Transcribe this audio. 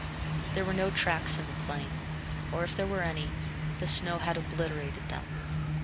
There were no tracks in the plain; or if there were any, the snow had obliterated them.